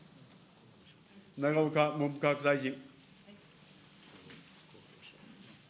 永岡文部科学大臣。